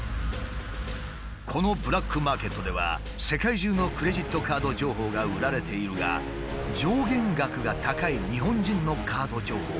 このブラックマーケットでは世界中のクレジットカード情報が売られているが上限額が高い日本人のカード情報は特に人気があるという。